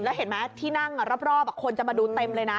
แล้วเห็นไหมที่นั่งรอบคนจะมาดูเต็มเลยนะ